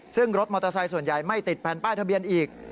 ซึ่งรถมอเตอร์ไซค์ส่วนใหญ่ไม่ติดแผ่นป้ายทะเบียนอีก